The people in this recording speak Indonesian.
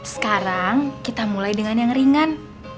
sekarang kita mulai dengan yang ringan